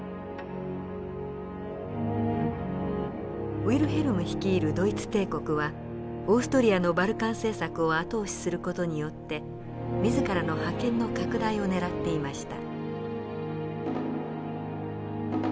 ウィルヘルム率いるドイツ帝国はオーストリアのバルカン政策を後押しする事によって自らの覇権の拡大をねらっていました。